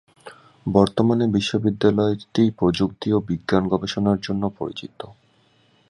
বর্তমানে বিশ্ববিদ্যালয়টি প্রযুক্তি ও বিজ্ঞান গবেষণার জন্য পরিচিত।